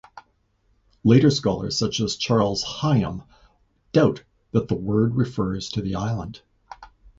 Later scholars such as Charles Higham doubt that the word refers to the island.